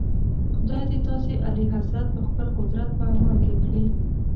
خدای دې تاسي اعلیحضرت په خپل قدرت په امان کړي.